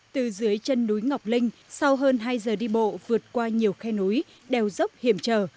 từ dưới chân núi ngọc linh sau hơn hai giờ đi bộ vượt qua nhiều khe núi đèo dốc hiểm trở